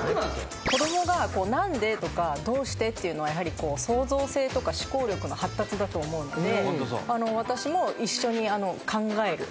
子供が「何で？」とか「どうして？」って言うのはやはりそうぞう性とか思考力の発達だと思うので私も一緒に考える。